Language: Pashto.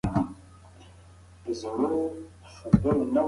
د ایران د پاچا په شاوخوا کې جاسوسان ګرځېدل.